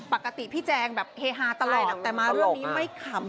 ปกติพี่แจงแบบเฮฮาตลอดแต่มาเรื่องนี้ไม่ขำ